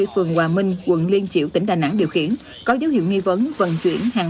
phường hòa minh quận liên triểu tỉnh đà nẵng điều khiển có dấu hiệu nghi vấn vận chuyển hàng